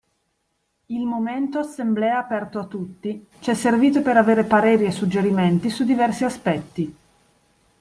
Il momento assemblea aperto a tutti ci è servito per avere pareri e suggerimenti su diversi aspetti.